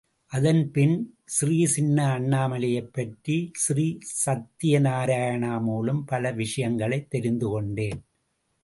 அதன் பின் ஸ்ரீ சின்ன அண்ணாமலையைப் பற்றி ஸ்ரீ சத்யநாராயணா மூலம் பல விஷயங்களைத் தெரிந்து கொண்டேன்.